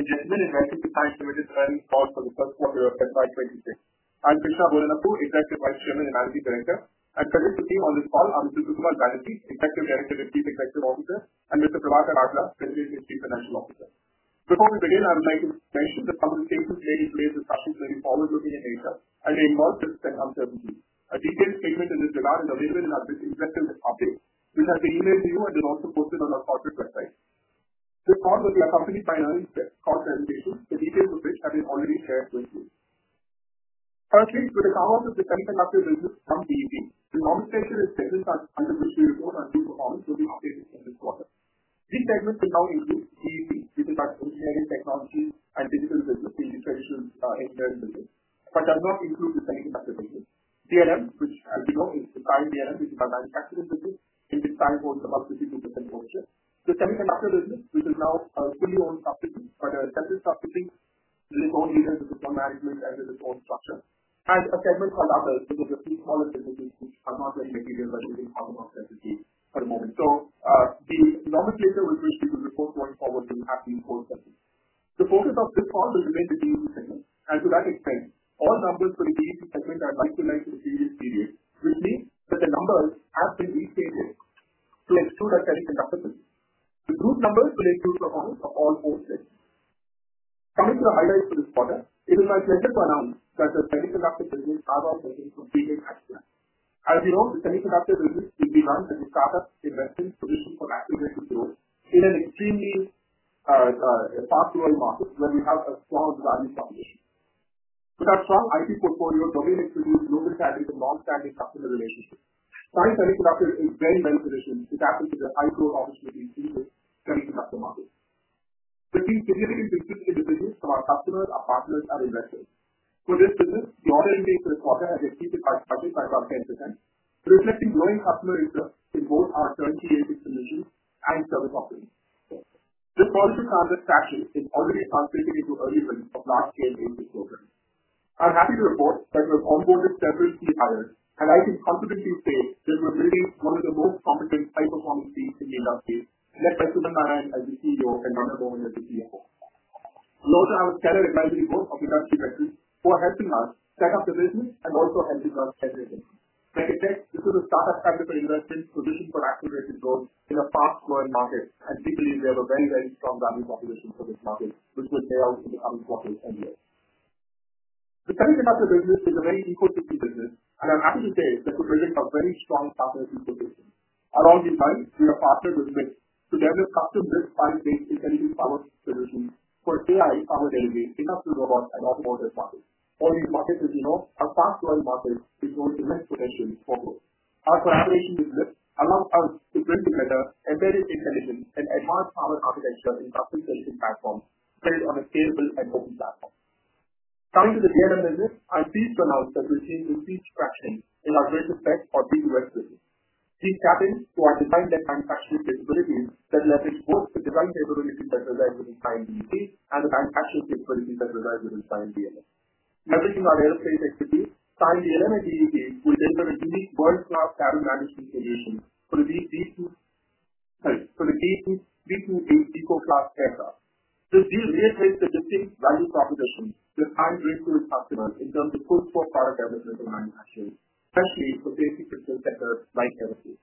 Okay, we have a minute and 55 seconds to register everyone's calls for the first quarter of February 2024. I'm Krishna Bodanapu, Executive Vice Chairman and Managing Director, and permitting you on this call are Mr. Sukamal Banerjee, Chief Executive Officer and Executive Director, and Mr. Prabhakar Atla, President and Chief Financial Officer. Before we begin, I would like to stress that the conversation today is based on the practice of empowering the community and reinforcing the sense of uncertainty. Details entering the list are available in our business section as follows. We have emailed you and will also post them on our portal website. The call will be accompanied by an honest cross-presentation to detail the risks that we already shared briefly. Part three to the quarters of the 10th and upper business, RCEP, the wrong section is present as... This section is very limited, but does not include the same DLM, which I don't know if the current DLM is provided to the company. It is planned for in the month of the future for the same quarter. The semiconductor business, which is now a fully owned subsidiary, but attempted subsidiaries through own agents is not manageable in any of the four sectors. And a segment called others, because the feed power and visibility are not very material in this conversation. The focus of this call is identity and so that is framed. All numbers for industry segments are isolated to the previous period, which means the numbers have been rescaled to include a semiconductor segment. Good numbers will include the owners of all four segments. Coming to the highlights for this quarter, it is my pleasure to announce that the semiconductor business is now working to be completed as planned. As you know, the semiconductor business is behind the startups in Western solutions for accelerated growth in an extremely past 12 months when we have a strong value proposition. That strong IT portfolio dominates the global segment of non-standard customer relationships. Cyient Semiconductor is very well positioned to tap into the high-flow market. Customers are partners of investors. For this business, broadly engaged to the quarter and received a project by our consultants, reflecting growing customer returns in both our currently existing regions and several others. The quarter's harvest status is worthy of passing through to early wins last year's rainy quarter. I'm happy to report that we have onboarded several key hires, and I can confidently say that we will bring in one of the most competent, high-performing teams in the industry, led by S. Narayanan as the CEO and Donna Bowen as the CFO. We also have a stellar advisory board of investor veterans who are helping us set up the business and also helping us generate it. Like I said, this is a startup funded by investors who are looking for activated growth in a fast-growing market. I do believe we have a very, very strong value proposition for this market, which will be laid out in the coming quarter and year. The semiconductor business is a very eco-friendly business, and I'm happy to say that we're bringing a very strong partnership with this. From design, we are partnering with the most diverse customers across the agency to choose our solutions for today, our delivery, industrial robots, and automotive parts. All these markets, as you know, are fast-growing markets with growing direct connections forward. Our collaboration with them allows us to build together competitive intelligence and enhance our competition in the trusted sales platforms based on a scalable and open platform. Coming to the CRM business, I please pronounce that we're seeing increased traction in our greatest tech or B2B business, hint tapping to our design tech manufacturing capabilities that leverage both the design capabilities that are available in Cyient DET and the manufacturing capabilities that are available in Cyient DLM. Leveraging our aerospace expertise, Cyient DLM and DET will deliver a unique world-class data management solution to reduce the issues connected. Which we do to eco-plus general. This will reiterate the distinct value proposition to find resource customers in terms of goods for product everything from manufacturing, especially for basic business sectors like aerospace.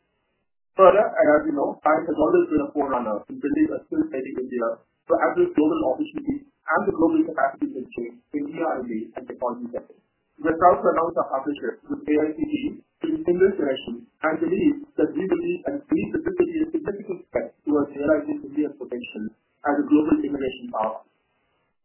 Further, and as you know, Cyient has always been a core runner in building a skilled technical team for every global office need and the global capacity issue in the needs in the following sector. We have also announced our partnership with AICTE to distinguish AIC as a means that we believe is deeply integral to our generating India's potential as a global emergency power.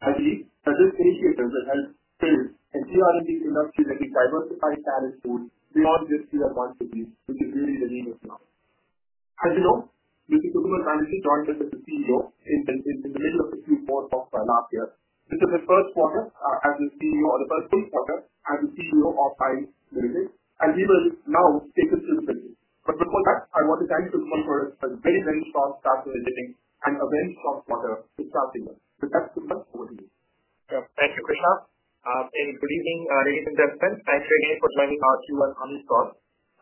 I believe that this initiative will help build and de-orient these industries in a diversified status post, not just fewer months to date, which is really the name of the question. As you know, Mr. Sukamal Banerjee joined us as the CEO in the middle of the Q4 talk last year. Mr. Krishna first spoke as the CEO of the first three quarters as the CEO of Cyient Limited, and he will now. In this quarter, I want to thank Sukamal for a great range of stock transparency and a very strong quarter to start with. The best wishes for the year. Thank you, Krishna. In the leading radio contestant, thanks for joining our Q1 honors call.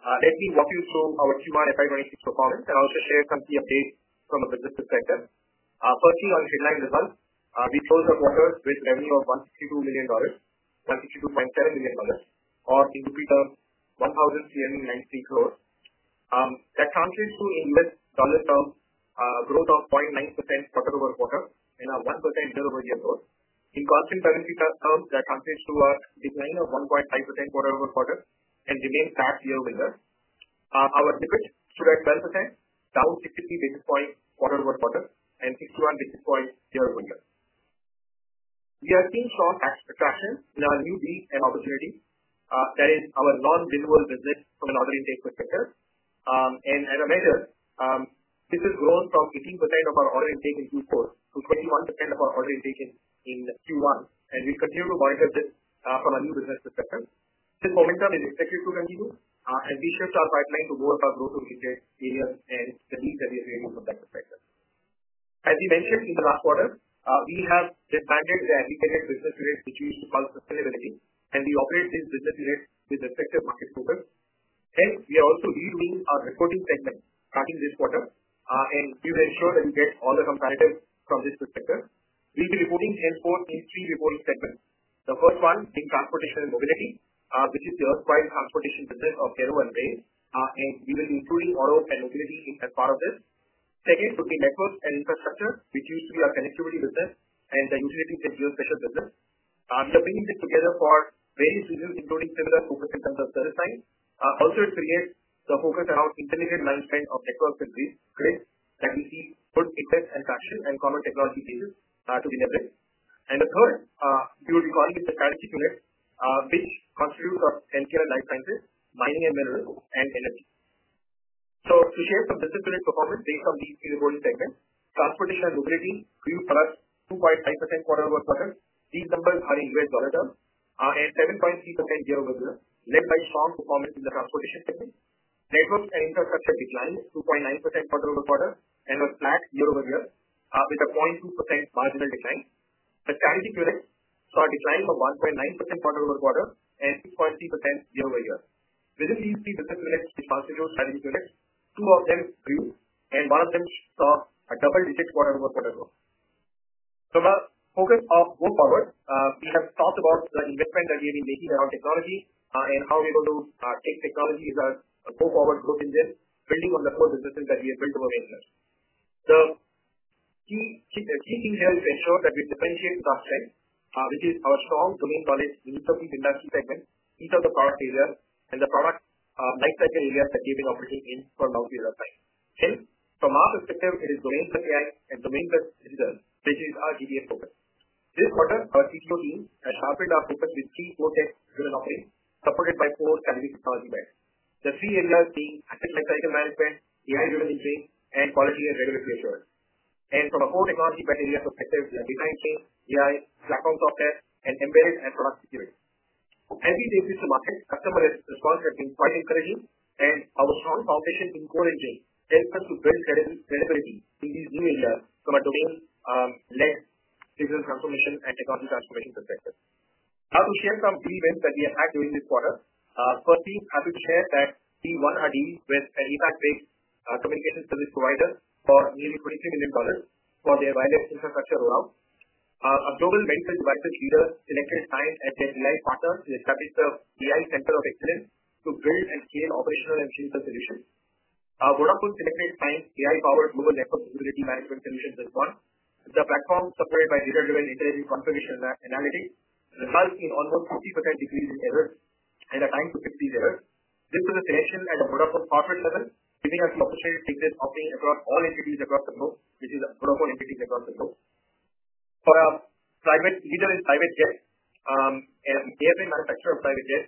Let me just do so our Q1 FY2026 performance and also share some key updates from a participant sector. Firstly, on headline results, we closed our quarters with revenue of $162 million, $162.7 million, or in rupee terms 1,383 growth. That translates to a US dollar term growth of 0.9% quarter over quarter and a 1% year-over-year growth. Into our trend currency terms, that translates to a decline of 1.5% quarter-over-quarter and remains fast year-over-year. Our EBITDA that 12%, down 63 basis points quarter-over-quarter and 62 basis points year-over-year. We are seeing short expectations in our new B and opportunity. That is our non-renewable business from an order intake perspective. As a measure, this is growth of 18% of our order intake in Q4 to 21% of our order intake in Q1, and we continue to monitor this from a new business perspective. This momentum is expected to continue, and we shift our pipeline to more of our growth-oriented areas and delivery and protective sectors. As we mentioned in the last quarter, we have the findings that we can get business units to do constant scalability, and we operate in business units with the protective market focus. Hence, we are also reviewing our reporting sector starting this quarter, and we will ensure we get all the comparison from this perspective. We'll be reporting in four key reporting segments. The first one being transportation and mobility, which is the earthquake transportation system of Terumo and Bays, and we will be including auto and utility as part of this. Second, would be networks and infrastructure, which is our connectivity business and the utility consumer special business. We are bringing this together for various reasons, including similar focus in terms of service lines. Also, it creates the focus around intelligent lifespan of network business, creates that we see good effect and traction and common technology cases to be addressed. Third, we will be going with the currency pillars, which constitute our healthcare and life sciences, mining and mineral and energy. To share some disciplinary performance based on these three reporting segments, transportation and mobility grew for us 2.5% quarter-over-quarter, decentralized high-interest monitor, and 7.3% year-over-year, led by a strong performance in the transportation segment. Network and infrastructure declined 2.9% quarter-over-quarter and was flat year-over-year with a 0.2% positive decline. The currency pillar saw a decline of 1.9% quarter-over-quarter and 6.3% year-over-year. We didn't really see the disciplinary passage of the currency pillar. Two of them grew, and one of them saw a double-digit quarter-over-quarter growth. The focus of Go Power, we have thought about the investment that we have been making around technology and how we're going to take technology as a Go Power group engine, building on the core businesses that we have built over the years. The key things are to ensure a resilient customer, which is our strong domain knowledge in each of the industry segments, each of the product areas, and the product lifecycle areas that we've been operating in for a long period of time. Hence, from our perspective, it is domain customers and domain customers that is our GPS focus. This quarter, our CTO team has harpered our focus with key four techs we're running on, supported by four strategic technology vendors. The three areas being asset lifecycle management, AI revenue stream, and quality and regulatory assurance. From a core technology criteria perspective, we are designed to AI platform software and embedded and product security. As we take this to market, customer response has been quite encouraging, and our strong competition in core engine efforts to build credibility in these new areas from a domain-led digital transformation and technology transformation perspective. Now to share some key wins that we have had during this quarter. Firstly, I would share that team one had really embraced an APAC-based communication service provider for nearly $40 million for their wireless infrastructure rollout. A global language market leader, Ericsson as their AI partner in the strategic AI sector of excellence to build a sustained operational and digital solution. Our Vodafone Ericsson AI-powered mobile network mobility management solutions as well. The platform supported by neural revenue engineering confirmation analytics results in almost 50% decrease in errors and a timed decrease in errors. This was the national and Vodafone corporate level, giving us the opportunity to take this company across all entities across the globe, which is Vodafone entities across the globe. For our digital and private care, and the manufacturer of private care,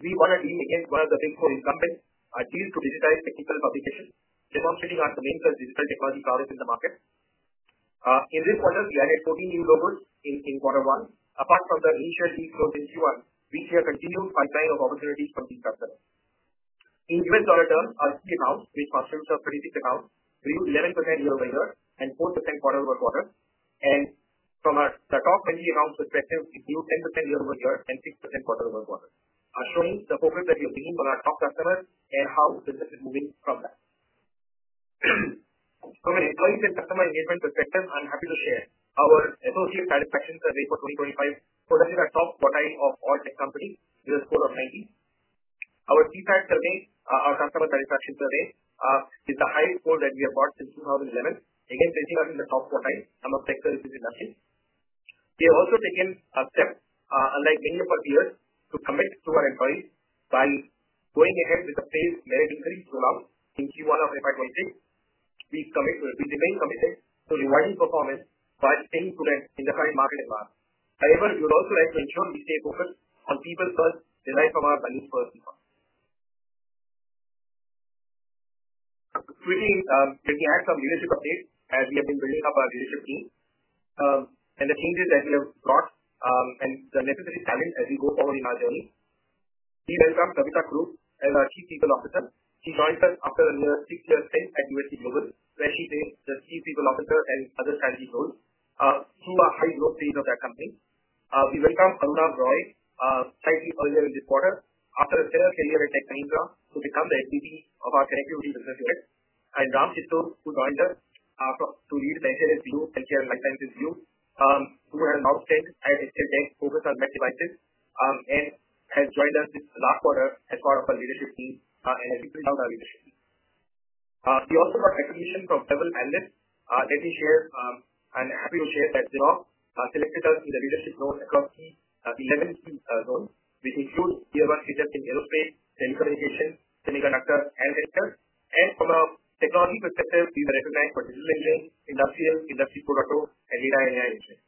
we won a win against one of the PIMCO income companies, our team to digitize technical publications, demonstrating our domain-first digital technology products in the market. In this quarter, we have had 14 new robots in quarter one. Apart from the initial peak from Q1, we see a continuing pipeline of opportunities from these customers. In U.S. dollar terms, our APAC is about, with cost shifts of 36%, grew 11% year-over-year and 4% quarter over quarter. From a stock revenue round perspective, we grew 10% year-over-year and 6% quarter over quarter. Our clients supported that we've been on our top customers and how business has been growing. From an employees and customer engagement perspective, I'm happy to share our associate satisfaction survey for 2025 for the top quarter of all these companies with a score of 90. Our APAC survey, our customer satisfaction survey, is the highest score that we have got since 2011 against 21 in the top quarter among tech services industry. We have also taken a step, unlike many of our peers, to commit to our employees by going ahead with phased management phase rollout in Q1 of 2026. We commit to a beginning commitment to the running performance but staying prudent in the current market environment. However, we would also like to ensure we stay focused on people first, derived from our needs first. Switching, let me add some leadership updates as we have been building up our leadership team and the changes that we have brought, and the necessary challenges as we go forward in our journey. We welcome Tabitha Krug as our Chief People Officer. She joined us after a more six-year stint at UST Global, where she plays the Chief People Officer and other strategy roles through a high-growth phase of that company. We welcome Arunabh Roy, cited earlier in this quarter after a similar career in tech training class, who becomes the Senior Vice President of our connectivity business unit. Ram Sitaram, who joined us to lead the healthcare and life sciences group, who has outstanding and has been focused on best practices and has joined us this last quarter as part of our leadership team and has been out of our leadership team. We also got recognition from several analysts that we share, and I'm happy to share that they all selected us in the leadership role across the 11 fields we cover, which include tier one suggestions, aerospace, telecommunications, semiconductor, and healthcare. From a technology perspective, we've been recognized for digital engineering, industrial, industry protocols, and AI/AI engineering.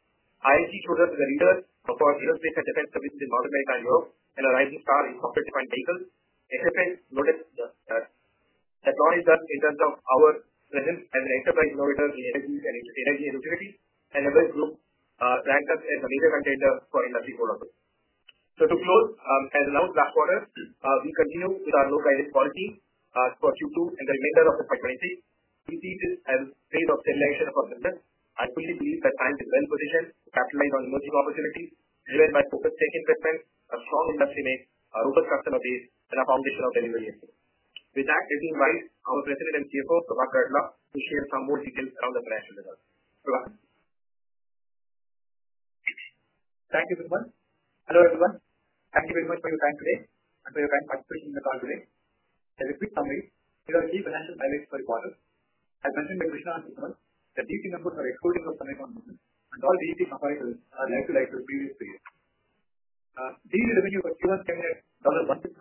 ISG chose us as a leader for our aerospace and defense services in North America and Europe, and a rising star in cockpit-defined vehicles. It's a fair notice that acknowledges us in terms of our presence as an enterprise innovator in energy and utilities, and Everest Group ranked us as a leading advisor for industry protocols. To close, as announced last quarter, we continue with our low-crisis quality for Q2 and the remainder of 2023. We see this as a phase of standardization of our system. I truly believe that Cyient is well positioned, capitalizing on emerging opportunities, driven by focus taking preference, a strong industry image, a robust customer base, and a foundation of delivery experience. With that, let me invite our President and CFO, Prabhakar Atla, to share some more details on the financial results. Please go ahead. Thank you very much. Hello, everyone. Thank you very much for your time today and for your kind participation in the call today. As a quick summary, there are key financial dynamics for the quarter. As mentioned by Krishna and Sukamal, the DET numbers are exploding over the next month. All DET numbers are likely like the previous period. DET revenue for Q1 scaled at $1.7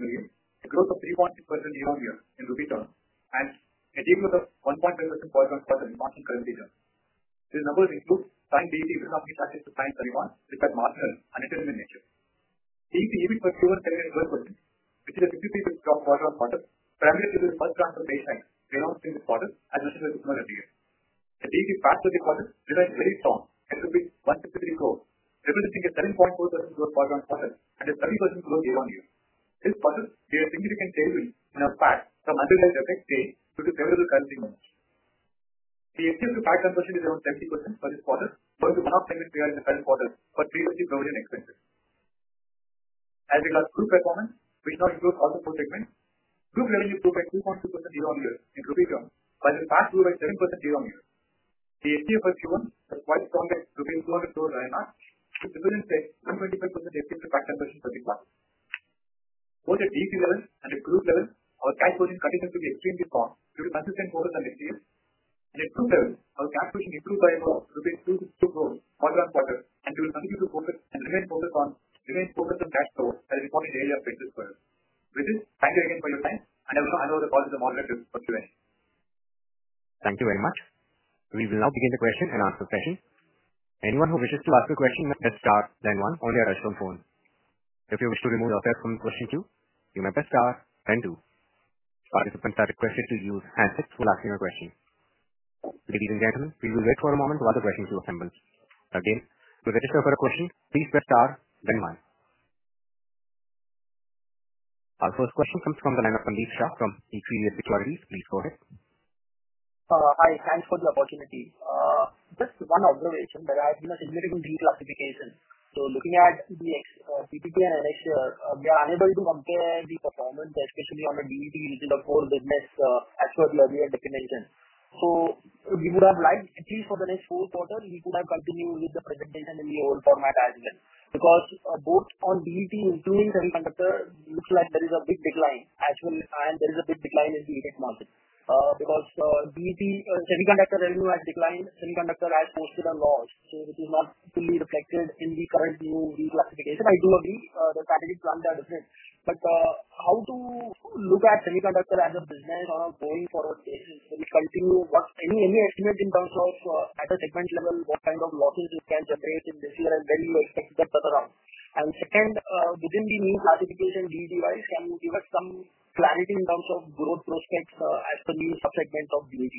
billion, growth of 3.6% year-over-year in repeat turn, and a DET growth of 1.7% quarter as part of the reporting currency terms. These numbers include client DET return of expenses to clients' rewards, which are marginal and determinant in nature. DET EBIT per Q1 scaled at 12%, which is a significant drop quarter on quarter, primarily due to the first transformation in the north stream quarter and the rest of the consumer engineering. The DET passed the quarter with a very strong 134% growth, representing a 7.4% growth quarter on quarter and a 30% growth year on year. This quarter, we had significant savings in our APAC from underlying effect pay to the favorable currency market. The FDI to APAC transaction is around 10% for this quarter, but it was not 10% in the current quarter for 350 prominent expenses. As in last group performance, which now includes all the four segments, group revenue grew by 2.6% year-over-year in repeat turn, while the APAC grew by 7% year-over-year. The FDI per Q1 has a quite strong revenue 200% growth lineup, representing a 125% FDI to APAC transaction for this month. Both at DET level and at group level, our cash flow is considered to be extremely strong. We've been consistent quarters on FDI. At group level, our cash flow is improved by about 22 quarter-over-quarter, and we will continue to focus and remain focused on. Remains 2% cash flow as reported in the year versus 12. With this, thank you again for your time, and I will now hand over the call to the small group for Q&A. Thank you very much. We will now begin the question and answer session. Anyone who wishes to ask a question may press star then one or the address on the phone. If you wish to remove yourself from the question queue, you may press star then two. Participants are requested to use hand hooks for asking a question. Ladies and gentlemen, we will wait for a moment while the question queue assembles. Again, to verify for a question, please press star then one. Our first question comes from the line of Sandeep Shah from Equirus Securities. Please go ahead. Hi, thanks for the opportunity. Just one observation, I've been a simulator in digital certification. Looking at the CTP and NX, we are unable to compare the performance specifically on the DET digital core business as per the earlier documentation. We would have liked, at least for the next four quarters, to have continued with the presentation in the old format as well, because both on DET, nuclear and semiconductor, it looks like there is a big decline, and there is a big decline in the tech market. DET semiconductor revenue has declined, semiconductor has posted a loss. It is not fully reflected in the current new DET classification. I do agree on the strategic front, that is it. How to look at semiconductor as a business on a going forward basis and continue any estimate in terms of, at a different level, what kind of losses it can generate in business, and then you will take that further on. Spend within the new certification DET rise and give us some clarity in terms of growth prospects as the new subsegment of DET.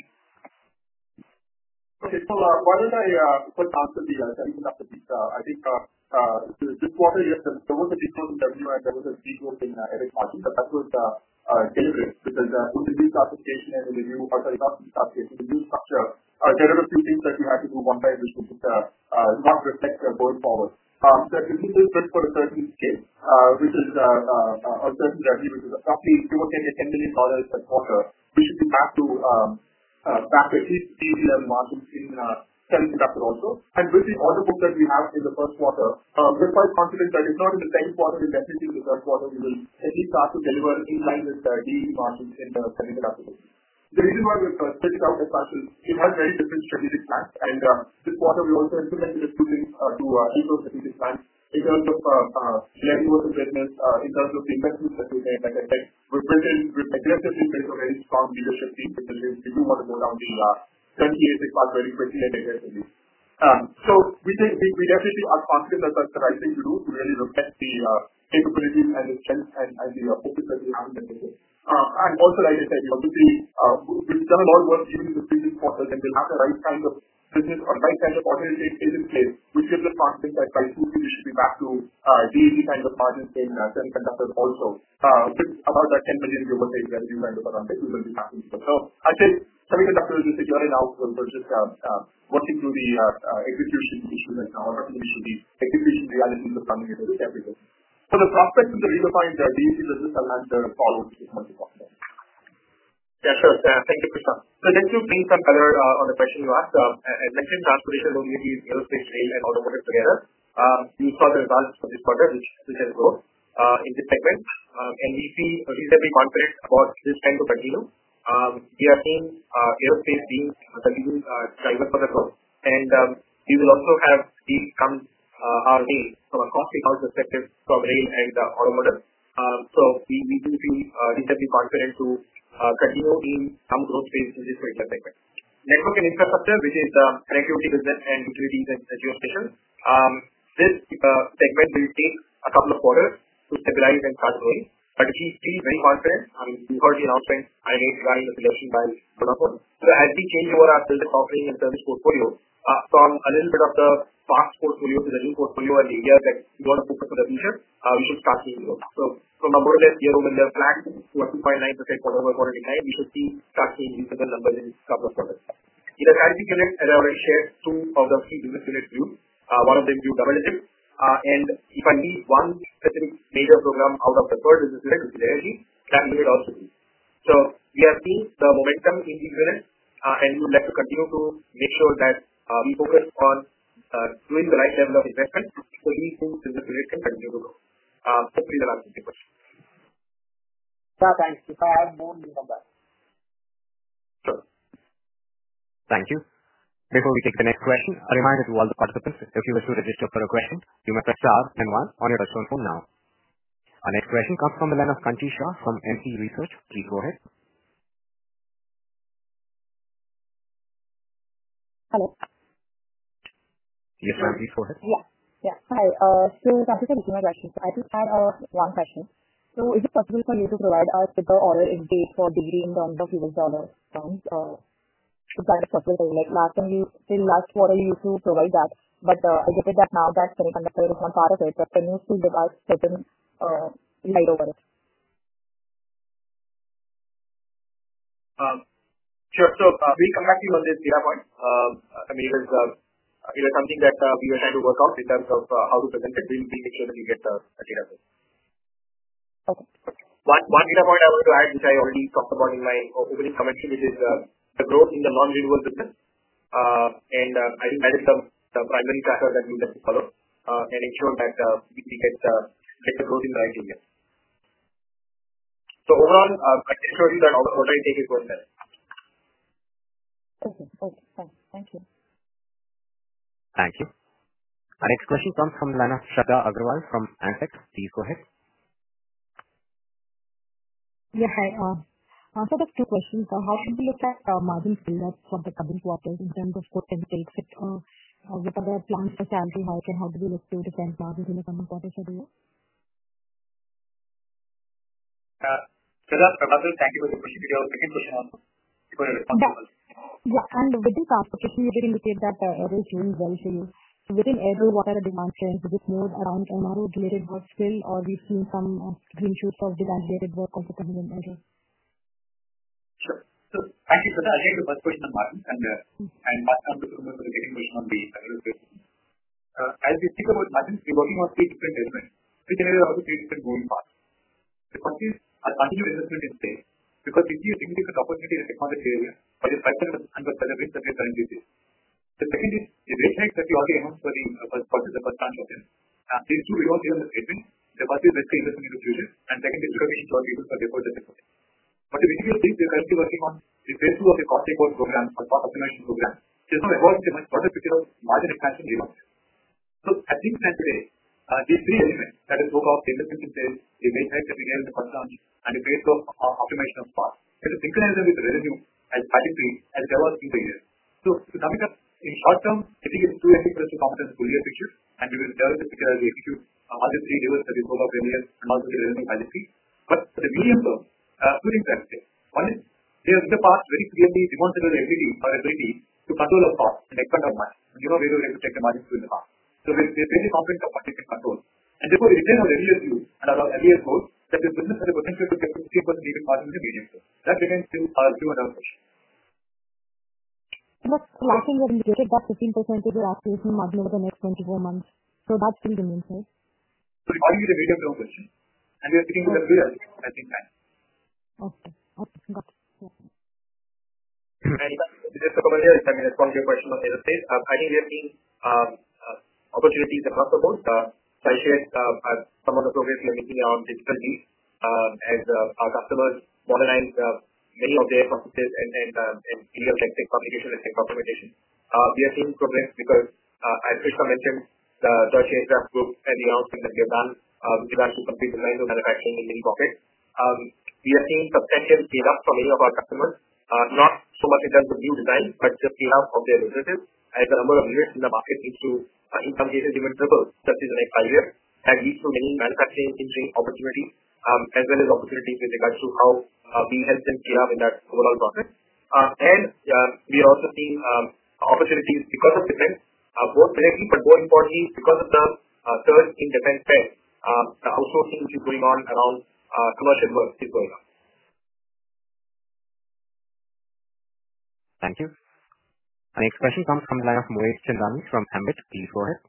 Mr. Sukamal, one of my quick thoughts to the question, I think just one more question about the market sector going forward. If you say just for the 13th stage, which is our 13th journey, which is approximately $210 million per quarter, we have to capture at least DET margins in semiconductor also. With the order book that we have in the first quarter, we're quite confident that if not in the second quarter, definitely in the third quarter, we will at least start to deliver in line with the GE margins in the semiconductor book. The reason why we're pushing our headquarters is it has very different strategic plans, and the quarter we also implemented. Hold on, Sukamal. Thank you. It's quite fascinating to hear from you. We definitely are confident that that's the right thing to do to really reflect the capabilities and the change and the focus that we have in the region. Like I said, most of the general mode was even in the previous quarters, and we have the right kind of business or the right kind of opportunity is in place. We feel the fast thing by trying to really be back to GE as a part. I think, Tabitha, the flow is just that you're an outgoing person working through the execution to the power and into the technical analysis and the funding and the strategy. For the prospects of the redefined GE business, I'll ask the follow-up. Yeah, sure. Thanks, Krishna. Thank you. To answer the question you asked, as I mentioned, our position will be to use aerospace team and automotive together. We saw the results of this quarter, which is a growth in this segment. We see a recently gone phase for this segment continue. We are seeing aerospace being a driver for the growth. We have also seen some RV from a cost-result perspective for marine and automotive. We really feel reasonably confident to continue in some growth phases in this particular segment. Network and infrastructure, which is the connectivity business and utility sector, will take a couple of quarters to stabilize and start growing. We feel very confident. Before the announcement, I was running a PLC by Vodafone. As we change over our business offering and the portfolio, from a little bit of the past portfolio to the new portfolio in India that we want to focus for the future, which is fast and growth. From a more or less year-over-year plan, we're 2.9% quarter-over-quarter behind. We should see fast and usable numbers in the next couple of quarters. In a current situation, at our ratio, two out of three business units grew. One of them grew permanently. If I mean one specific major program out of the four business units, which is energy, that will be automotive. We have seen the momentum in these units, and we would like to continue to make sure that we focus on doing the right level of assessments to see who in this position can be able to grow, simply the management people. Yeah, thanks. You're more than welcome back. Thank you. Before we take the next question, a reminder to all the participants, if you wish to register for a question, you may press star then one on your phone now. Our next question comes from the line of Kanchi Shah from MC Research. Please go ahead. Hello. Yes, ma'am. Please go ahead. Yeah. Hi. In terms of the customer questions, I just had one question. Is it possible for you to provide a simple order in date for delivery in terms of U.S. dollars from the supplier shop? Like last time, in last quarter, you used to provide that. I get that now that semiconductor is not part of it. Can you still give us a certain line of order? Sure, we come back to you on this data point. If there's something that we were trying to work on in terms of how to present the bill, we can certainly get the data from you. One data point I want to add, which I already talked about in my opening comments, is the growth in the non-renewable business. I will have an annual track record that we will follow and ensure that we can get a growth in the right area. Overall, I'm curious that authority taking questions. Okay. Okay. Thanks. Thank you. Thank you. Our next question comes from the line of Shradha Agrawal from AMSEC. Please go ahead. Yes, hi. After the two questions, how do we look at margin freedom for the coming quarters in terms of quarterly growth? If we have to answer that, how do we look to defend margins in the coming quarters? Shradha, I'd like to thank you for the question. You can push on. Yes. With this aspect, we did indicate that for early June and early July. Within April, what are the demands there? Is it more around MRO-related work still, or are we seeing some green shoots of demand-related work also coming in later? I think, Shradha, we talked about the margins and demands. As we speak about margins, we want to move to a different direction. We can either allocate it to growing margins. The focus on these businesses is there, because it gives immediate opportunities to undertake by the pipeline of understanding which the current business is. The second is the red flags that we already announced for the first part of this. After issue, we want to be on the schedule. The first is the stage that we need to clear this. Second is clear which is our business for the quarter before. If we clear these, we're basically working on the breakthrough of the quarterly growth program, the quarterly optimization program. It's not a growth so much product, it's a margin expansion we want. At the same time, today, this may. Business that has broken off, they look into them. They may try to begin the concerns and the breakthrough of optimization of cost. It's a bigger revenue as pattern growth as there was in the year. Tabitha, in the short term, it will only just come to a two-year issue, and we will just, we will choose all the three years that we go by, marketing revenue as you see. For the medium term, two things I have to say. One is, there is a part where if we want to do the revenue or equity to control our cost and expand our margins, we have a way to extract the margins from the cost. There's a very competitive opportunity to control. Therefore, we retain our earlier view and our earlier goal that the business has the potential to get 50% of the margin we need. That depends still on our view on our cost. The last thing that you indicated, about 15% of our operational margin over the next 24 months, that's still convincing. Only the medium term. We're staying on there, I think. Okay. Okay. Got it. Just a couple of minutes, 10 minutes, one quick question on the aerospace. I think we have seen opportunities across the board. The Chrysler has some of the progress we're making around digital lease, and our customers want to be on the aircraft space in the U.S. exit, competition exit, documentation. We have seen progress because, as Krishna mentioned, the Chrysler trust group and the announcement that we have done, we would like to complete the line of manufacturing in any market. We have seen substantial tear-off from many of our customers, not so much in terms of new designs, but just tear-off of their businesses. As the number of units in the market needs to, in some cases, even triple, such as in the next five years, and lead to many manufacturing engineering opportunities, as well as opportunities with regards to how we help them tear up in that overall market. We are also seeing opportunities because of split, both energy going forward, because of the surge in defense spend. The household industry is going on around commercial growth is going up. Thank you. Our next question comes from the line of Moez Chandani from Ambit. Please go ahead.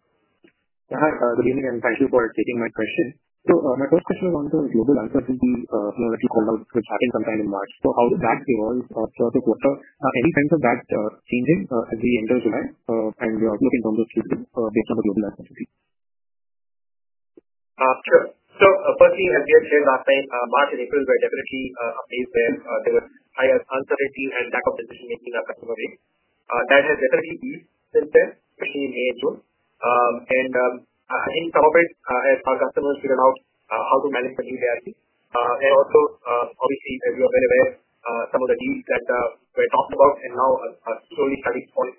Yeah, hi. Good evening, and thank you for taking my question. My first question is on the global answer to the technology rollout starting sometime in March. How that evolves third quarter, any signs of that changing as we enter July and we are looking on the shifting based on the global answer today? Sure. As I just shared last time, market improvement definitely is there. There was either uncertainty and lack of decision-making that customers need. That has definitely peaked since then, especially in May and June. I think some of it as our customers figure out how to manage the new layers in. Obviously, we have been aware of some of the deals that we've talked about and how slowly it's coming.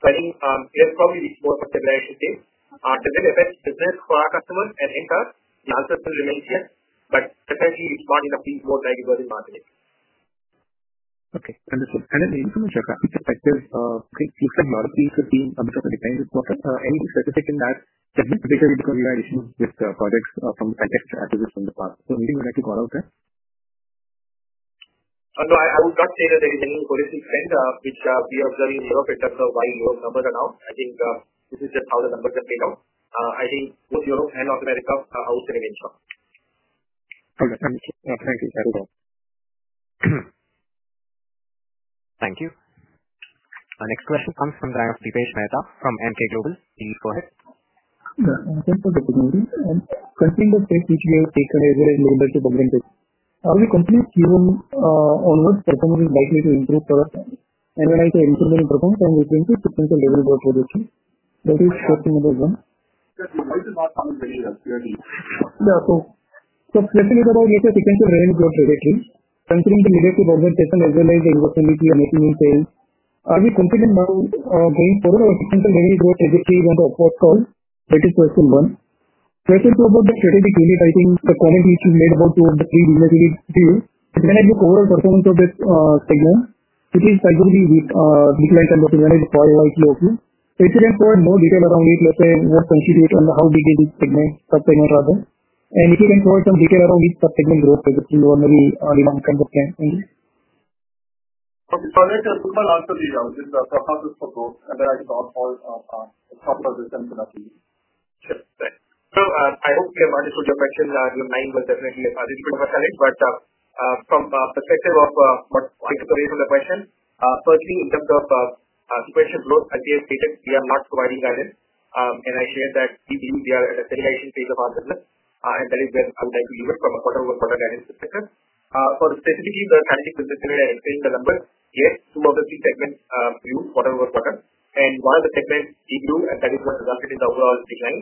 I think there's probably both stabilized space. The big event is business for our customers and in-house, the uncertainty remains here. Definitely, we've brought in a team called AgriWorld in marketing. Okay. Wonderful. From the consumer share perspective, since some marketing has been a bit of a dependent quarter, anything specific in that? Have you predicted any particular additional projects from an extra address from the part? Anything you would like to call out there? No, I would not say that there is anything crisis-faced. We are very impressed by your numbers now. I think this is the power the numbers have played out. I think Europe and North America out there in Asia. Okay, thank you. Thank you. Thank you. Our next question comes from the line of Dipesh Mehta from Emkay Global. Please go ahead. Hello. I'm Chandra from Global Motors. First thing was said CGM, Cisco, and everyone in Global to compare and say, are we completely achieving onwards? The company is likely to increase production. When I say increment in production, I'm referring to potential revenue growth, potentially. Increase step number one. The question is about, you said potential revenue growth revenue. Considering the leverage to convert this and organize your work and make your maximum sales, are we considering now going forward or potential revenue growth as if we want to afford cost? That is question one. Question two about the strategic units, I think a comment which you made about two of the three units you reviewed. Regarding the overall performance of this segment, it is agreeing with, which is like a meta-analysis follow-up. If you can provide more detail around it, let's say, what constitutes and how did they segment sub-segment rather? If you can provide some detail around which sub-segment growth strategy you normally are demanding from the segment. The simple answer to you is the process for growth. The right example of a software system in the field. I hope you have understood your question. Your mind was definitely a digital first time. From the perspective of what is the place of the question, certainly in terms of the operational growth, I think we are not providing value. I shared that we believe we are in a stabilization phase of our business. That is where I would like to leave it from a quarter-over-quarter analysis perspective. Specifically, the scientific business area, I think the number is clear. Two out of three segments grew quarter-over-quarter, and one of the segments, TQ, and that is what resulted in the overall decline.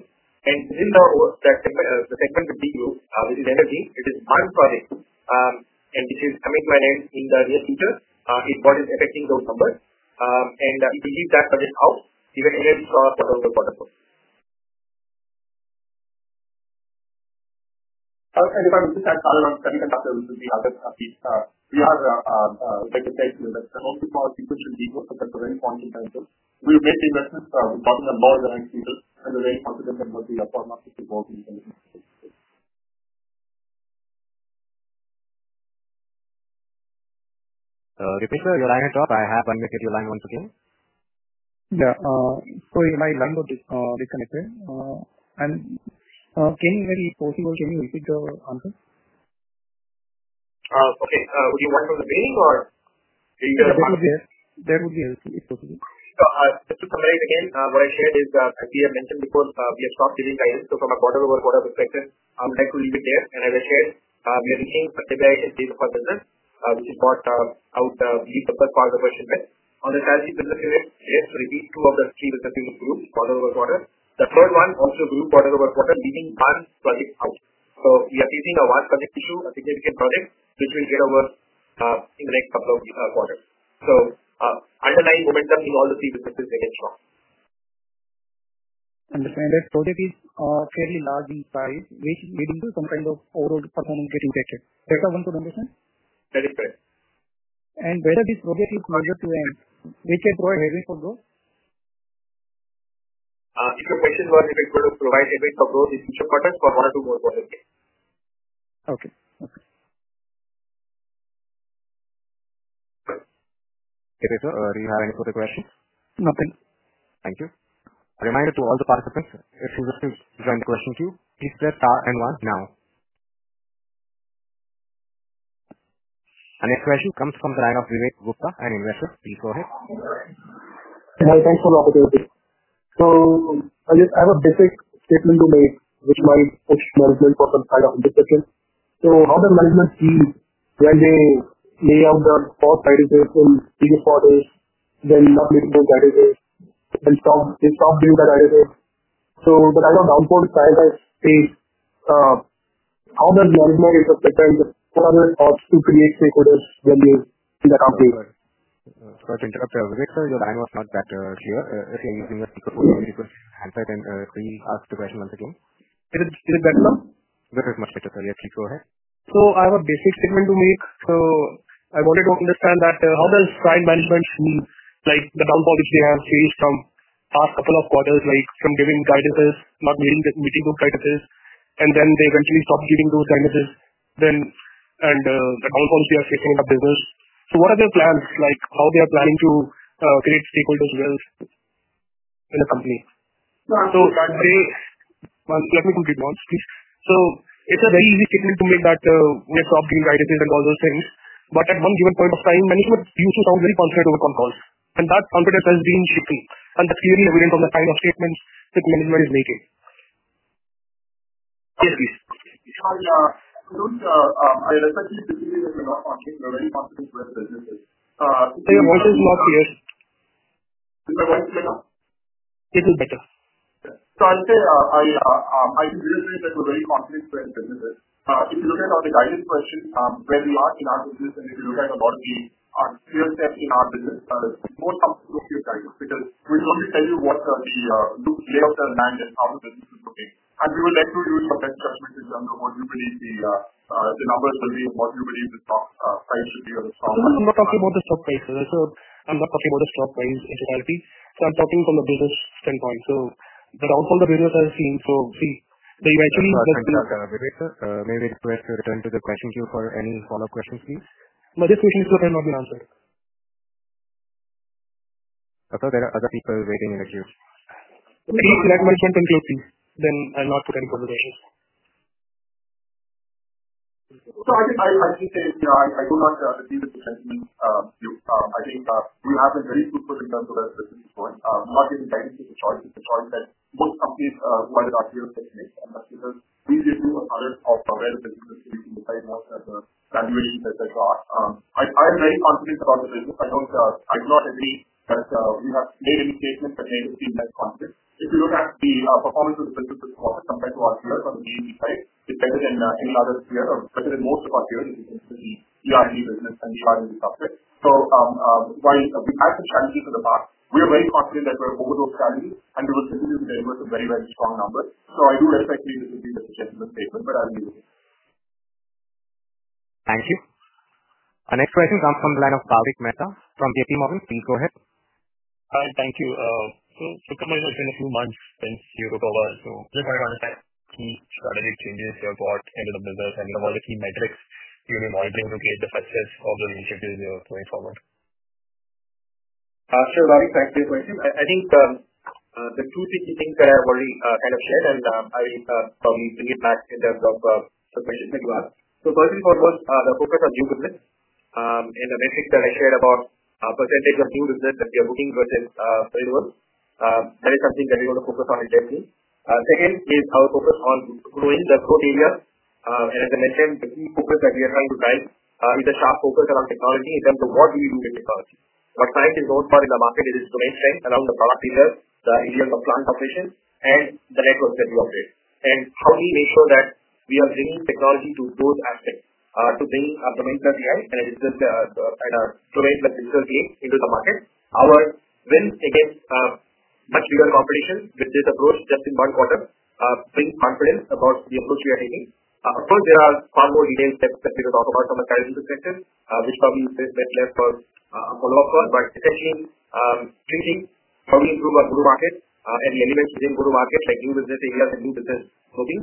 Within that segment, the segment with TQ, which is energy, it is unplanned. This is coming to an end in the near future. It is what is affecting those numbers. If we leave that project out, we recommend it for a quarter too. Do you have a specific to invest in the home support, people to do so, to get a very pointed answer? We've made the investment of John and Mark, and I see it, and we're very confident that it will be a bottom market to go up. Dipesh, your line is off. I have unmuted your line once again. Yeah. Sorry, my line got disconnected. Can you very forcefully repeat your answer? Okay. Would you want to resume or? That would be helpful. To summarize again, what I shared is, as we have mentioned before, we have stopped giving value. From a quarter-over-quarter perspective, I'm trying to leave it there. As I shared, we are really in a stabilization phase of our business, which has brought out the least of the cost reversible. On the strategy surface, we did two of the three businesses' growth quarter-over-quarter. The third one also grew quarter-over-quarter, leaving one project out. We are facing a one project issue, a significant project which we will get over in the next couple of quarters. Underlying momentum, you've all seen the business against. Understand that project is fairly large in size, which will include some kind of overall performance getting better. Better one for the mission? That is correct. Whether this project is larger to end, which will provide a rate of growth? If the project provides a rate of growth, it's two quarters or one or two more quarters. Okay. Okay. Tabitha, do you have any further questions? No, thanks. Thank you. A reminder to all the participants, if you have any questions too, please press star and one now. Our next question comes from the line of Vivek Gupta and investors. Please go ahead. Thank you for the opportunity. I have a basic statement to make with my tech management for some kind of objectives. How does management feel when they lay out the four targeting points in four days when not able to get anything? Some did get anything. The kind of downfall trend I face, how is management affecting what are the ops to create stakeholders when they see the downfall? Sorry to interrupt you, Vivek. Your line was not cut here. I think you've given us a beautiful hindsight and free us to question once again. Did it get cut? That was much better. Yes, please go ahead. I have a basic statement to make. I wanted to understand how does client management see the downfall which they have seen from the past couple of quarters, like from giving crises, not meeting the missing group crises, and then they eventually stop meeting those crises, and the downfall which they are facing in the business. What are their plans? How are they planning to create stakeholders' wells in the company? I'm hearing one question to be broad, please. It's a very easy statement to me that we have stopped giving crisis and all those things. At one given point in time, management used to sound very confident about our goals. That confidence has been shifting. It's clearly evident on the kind of statements that management is making. There was a loss, yes. Is it better? I do think that we're very confident in the business. If you look at the guidance question, where we are at now, we're at about a year since our business started. Most of the case studies, because we're not telling you what the layout of the land is now, and we would like to use the whole sector to cover the bottom range of price really. I'm not talking about the stock price. I'm not talking about the stock price in generalities. I'm talking from the business standpoint. The downfall the revenues are seeing, they eventually. Thank you, Vivek. May I maybe just return to the question queue for any follow-up questions, please? No, this question is not being answered. I thought there are other people waiting in the queue. Please let management include this. I'll not put any conversations. I think I'll keep saying I do not agree with the sentiment. I think you have a very simple reason to this at this point. Not that the guidance is a choice. It's a choice that most companies wanted our deal to be made because these issues are part of the relevant business. It is in the time of the granularity that they've got. I am very confident about the business. I do not agree with anything in the context. If you look at the performance of the business compared to our peers on the daily side, it's better than any other peer, or better than most of our peers if you consider we are in the business and planning the subset. While we passed the currency from the past, we are very confident that we're over the value, and we will definitely deliver a very, very strong number. I do respect you if you see the situation. Thank you. Our next question comes from the line of Bhavik Mehta from JPMorgan. Please go ahead. Thank you. It's been a few months since you took over. I just want to understand if there are any changes you have got into the business and the monetary metrics you've been evaluating to create the purchase of the initiative you're going forward. Sure. Very practical question. I think the two key things that I've already kind of shared on, probably three, in terms of the purchasing as well. First and foremost, the focus on new business. The message that I shared about a percentage of new business that we are looking for within third world, that is something that we're going to focus on intensely. Second is our focus on growing the growth area. As I mentioned, the key focus that we are trying to drive is a sharp focus around technology in terms of what do we do with technology. What Cyient is known for in the market is its domain strength around the product features, the engineering of plant operations, and the network that we operate. We make sure that we are bringing technology to those aspects to bring the main customer and it is good to kind of throw the digital game into the market. Our willingness to take in the future competition with this approach just in one quarter brings confidence about the approach we are taking. Of course, there are far more details that we can talk about from a strategy perspective, which probably sits left for a follow-up call. Especially thinking how do we improve our growth market and eliminate within growth markets that use this area to move the business forward.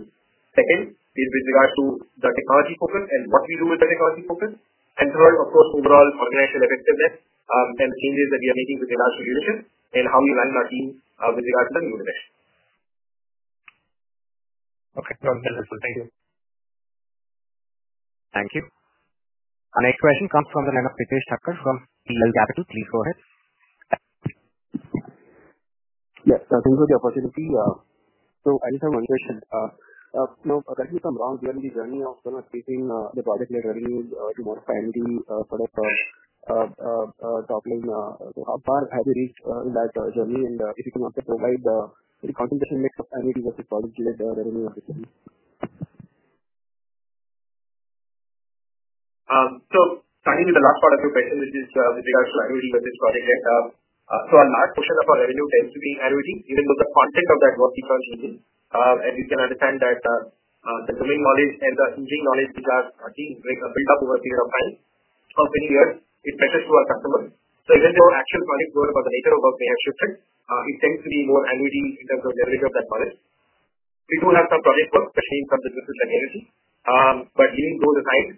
Second is with regards to the technology focus and what we do with the technology focus. Third, of course, overall organizational effectiveness and changes that we are making to demand for users and how we align our team with regards to new business. Okay, sounds good. Thank you. Thank you. Our next question comes from the line of Pritesh Thakkar from PL Capital. Please go ahead. Yes, thanks for the opportunity. As I mentioned, correct me if I'm wrong, during the journey of taking the project level revenue to one of the MOD product top line, how far have you reached in that journey? If you can also provide any content between like ROG versus product unit revenue and recurring? Starting with the last part of your question, which is with regards to ROG versus product unit, a large portion of our revenue tends to be ROG, even though the content of that was because we did. You can understand that the growing knowledge and the engineering knowledge that we have built up over a period of time, of many years, is better for our customers. Even though actual projects were about the nature of what we have shifted, it tends to be more MOD in terms of leveraging that knowledge. We do a lot of project work, especially in terms of business and energy. Even though the time,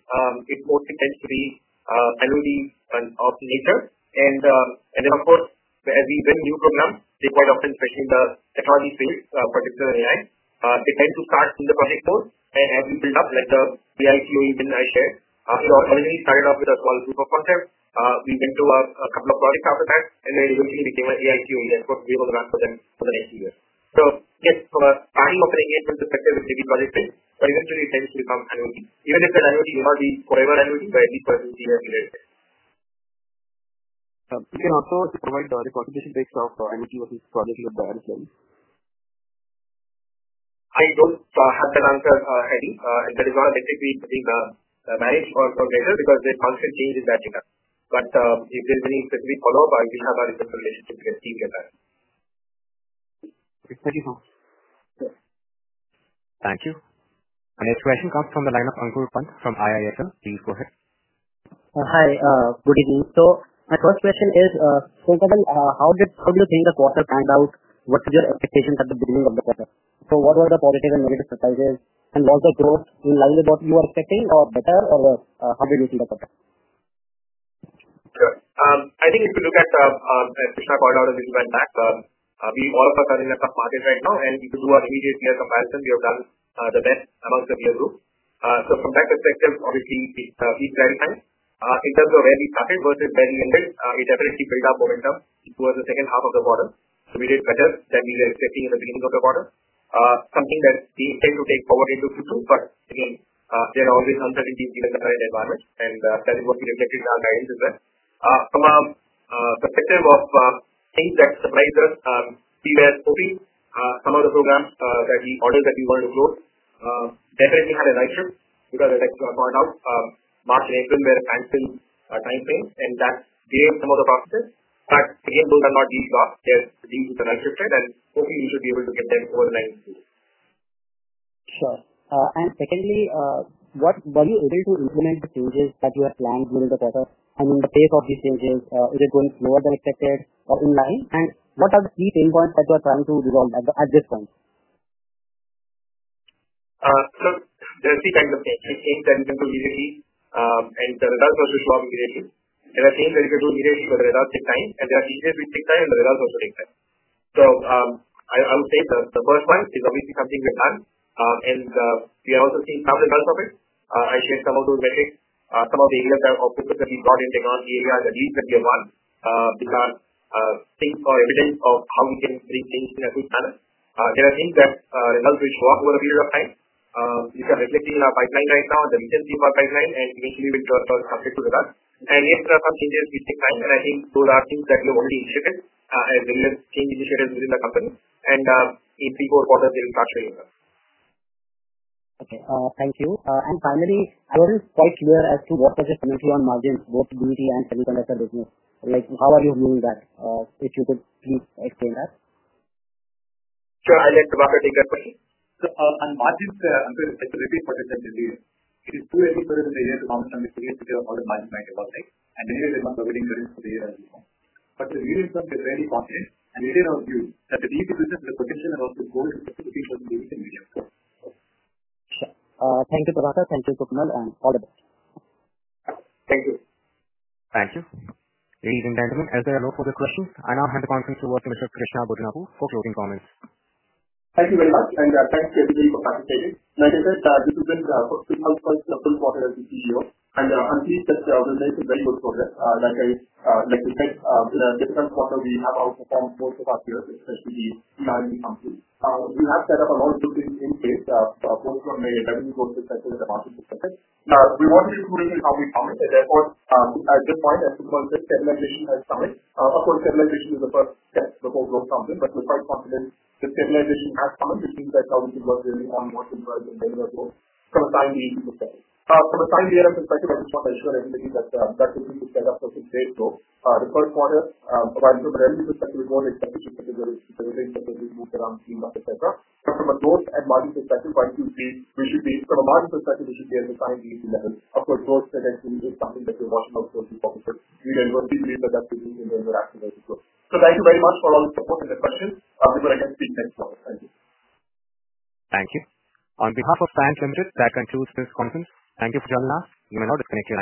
it also tends to be MOD and of nature. As we bring new programs, they quite often fit in the technology space, particularly AI. They tend to start in the project code and build up like the AI fuel engine I shared. Already starting off with a 12-foot concept, we've been through a couple of projects after that, and eventually we came to AI fuel. That's what we rolled out for them for the next year. Yes, for buying from an engineering perspective, it's a big project thing. Eventually, it tends to become IoT. Even if it's IoT, you're not really forever IoT, but at least for a few years later. If you can also provide the documentation based off the IoT of this project requirements. I don't have that answer, Eddie. That is why I'm basically putting the variance of the answer, because the constant change is that data. If you need specific follow-up, I'll give you a lot of information so you can see it better. Okay, thank you so much. Thank you. Our next question comes from the line of Ankur Pant from IIFL. Please go ahead. Hi. Good evening. My first question is, Krishna, how do you think the quarter panned out? What is your expectation at the beginning of the quarter? What were the positive and negative surprises? Was the growth in line with what you were expecting or better? How did you see the quarter? I think if you look at the, as Krishna pointed out a little bit back, we are all covering the top markets right now. If you do an immediate year comparison, we have done the best amongst the peer group. From that perspective, obviously, it went well. In terms of where we started versus where we ended, we definitely built up momentum towards the second half of the quarter. We did better than we were expecting in the beginning of the quarter, something that we intend to take forward into Q2 first. There are always uncertainties in a supply and environment, and that would be reflected in our guidance as well. From a perspective of things that surprised us, we were hoping some of the programs that we ordered that we wanted to grow definitely had a nice shift because, as I pointed out, March and April were fancy timeframes, and that gave some of the profits. Those are not deep loss. They're dealing with a nice shift, and hopefully, we should be able to get them over the next few years. Sure. Secondly, were you able to implement changes that you had planned during the quarter? I mean, the pace of these changes, is it going slower than expected or online? What are the key pain points that you are trying to resolve at this point? There are a few things I would say. I think changes are going to easily be, and the results of which will be negative. As I say, there is going to be negative results take time, and there are areas which take time and the results also take time. I would say the first part is obviously something we've done, and we are also seeing some results of it. I shared some of those metrics, some of the areas that are optimal that we brought in technology areas at least with year one. These are things or evidence of how we can make things in a good manner. There are things that are results which go up over a period of time. You can reflect it in our pipeline right now and the efficiency of our pipeline and initially make sure for successful results. We have a couple of changes which take time, and I think those are things that will only increase as the next change initiatives within the company. In three, four quarters, they will start to increase. Thank you. Finally, I want to touch there as to what is the natural margins, both GDP and semiconductor revenue. How are you viewing that? If you could please explain that. Sure. I'll answer the marketing question. On margins, I'm sure it's a very important thing to you. It's too early for us in the year to see if we can avoid margin by deposit. Maybe there was a winning for this year as well. The reasons that the revenue cost is, and these are our views, that it is a potential about to grow in the future. Thank you, Prabhakar. Thank you, Krishna. All the best. Thank you. Thank you. Ladies and gentlemen, as I allow further questions, I now hand the conference over to Mr. Krishna Bodanapu for closing comments. Thank you very much. Thanks to everybody for participating. Like I said, this has been quite a full quarter as the CEO. Honestly, it's just a good place to tell you about the quarter. Like I said, it's a difficult quarter. We have outperformed most of our peers since we started in the company. We have set up a lot of good things in place, both from the revenue going to the market perspective. We wanted to see how we've come to the end. At this point, as we're going through a stabilization that's coming. Stabilization is the first step before growth comes in. We're quite confident the stabilization has come, which means that now we can work really onwards in terms of the revenue growth. From a time we've been looking at, from a time year end perspective, I'll just talk very quickly that we set up for six years too. The first quarter, from a revenue perspective, we've noticed that the shift in the revenue that has been moved around seemed not effective. From a growth and margin perspective, what do you see? We should be, from a margin perspective, we should be able to find these in the upward growth trend and see if it's something that we want to go forward. Thank you. On behalf of Krishna Bodanapu and Sukamal Banerjee and Arunabh Roy, thank you for joining us. You may now disconnect.